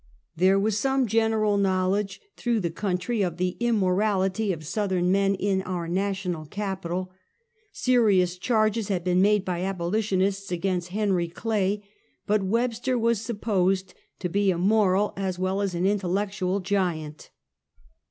There was some general knowledge through the coun try of the immorality of Southern men in our national capital. Serious charges had been made by abolition ists against Henry Clay, but "Webster was supposed to be a moral as well as an intellectual giant.